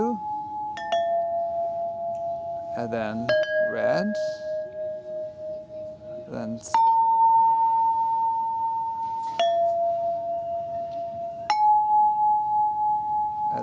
dan kemudian warna merah kemudian